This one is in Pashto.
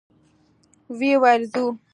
ويې ويل: ځو؟